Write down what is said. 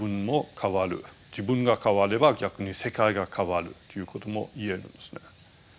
自分が変われば逆に世界が変わるということも言えるんですね。